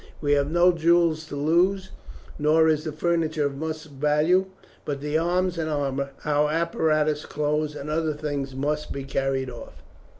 We have no jewels to lose, nor is the furniture of much value, but the arms and armour, our apparatus, clothes, and other things must be carried off."